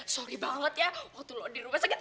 sorry banget ya waktu di rumah sakit